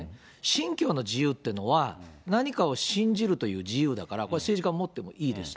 信教の自由っていうのは、何かを信じるという自由だからこれ、政治家がもってもいいです。